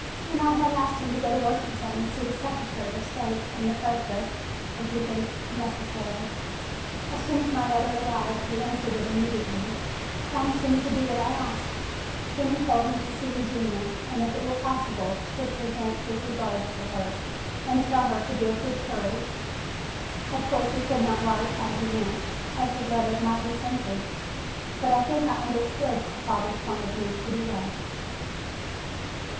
"And I have asked him to go to Washington and see the Secretary of State and the President if he thinks necessary. As soon as my letter arrived he answered it immediately, promising to do what I asked. Then he told me to see Eugenia and if it were possible to present his regards to her and to tell her to be of good courage. Of course, he could not write all he meant, as his letter might be censored, but I think I understood father's point of view pretty well."